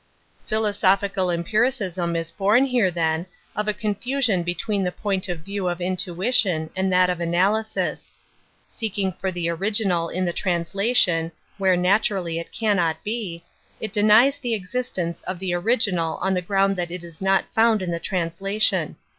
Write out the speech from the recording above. ;' Philosophical empiricism is born here, jthen, of a confusion between the point of , /view of intuition and that of analysis. Seeldng for the original in the translation, where naturally it cannot be, it denies the existence of the original on the ground that it is not found in the translation.